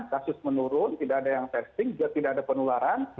kasus menurun tidak ada yang testing juga tidak ada penularan